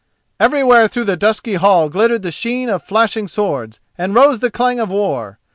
Everywhere through the dusky hall glittered the sheen of flashing swords and rose the clang of war.